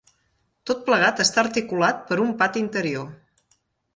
Tot plegat està articulat per un pati interior.